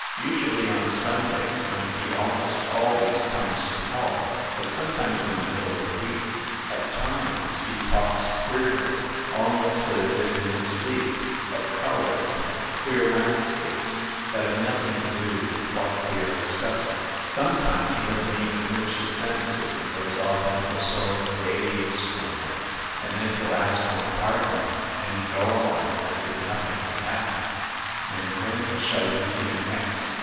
"Usually on Sundays, when he almost always comes to call ; but sometimes in the middle of the week. At times he talks queerly, almost as if in his sleep, of colors and queer landscapes that have nothing to do with what we are discussing. Sometimes he doesn't even finish his sentences and goes off into a sort of daze for a minute; and then he'll ask my pardon and go on as if nothing had happened." "And when shall you see him next?"